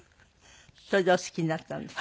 それでお好きになったんですね。